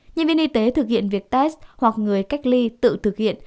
nhân viên y tế thực hiện việc test hoặc người cách ly tự thực hiện